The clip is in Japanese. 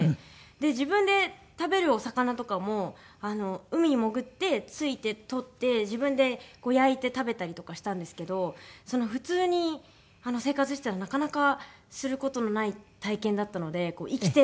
自分で食べるお魚とかも海に潜って突いてとって自分で焼いて食べたりとかしたんですけど普通に生活してたらなかなかする事のない体験だったので生きてる！